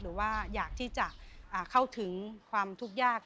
หรือว่าอยากที่จะเข้าถึงความทุกข์ยาก